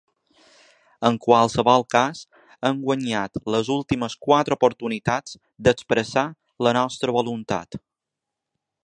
En qualsevol cas hem guanyat les últimes quatre oportunitats d’expressar la nostra voluntat.